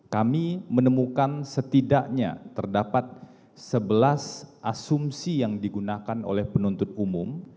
kami menemukan setidaknya terdapat sebelas asumsi yang digunakan oleh penuntut umum